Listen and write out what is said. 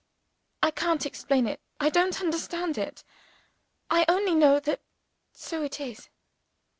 I can't explain it I don't understand it. I only know that so it is."